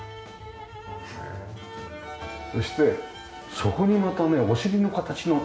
そしてそこにまたねお尻の形の椅子が。